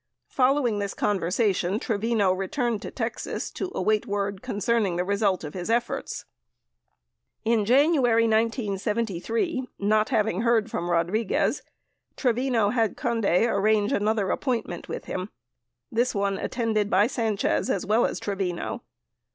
Follow ing this conversation, Trevino returned to Texas to await word con cerning the result of his efforts. In January 1973, not having heard from Rodriguez, Trevino had Conde arrange another appointment with him, this one attended by Sanchez as well as Trevino.